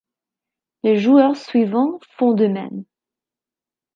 Les joueurs suivants font de même.